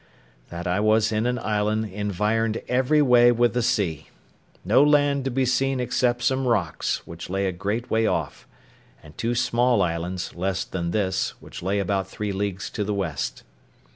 that I was in an island environed every way with the sea: no land to be seen except some rocks, which lay a great way off; and two small islands, less than this, which lay about three leagues to the west.